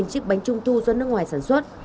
năm chiếc bánh trung thu do nước ngoài sản xuất